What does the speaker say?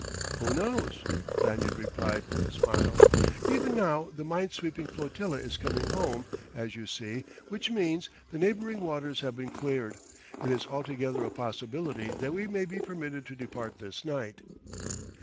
"Who knows?" Lanyard replied with a smile. "Even now the mine sweeping flotilla is coming home, as you see; which means, the neighbouring waters have been cleared. It is altogether a possibility that we may be permitted to depart this night."